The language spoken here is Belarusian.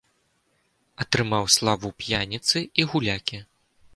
Атрымаў славу п'яніцы і гулякі.